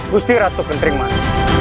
gusti ratu kenterimang